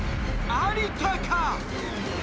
有田か？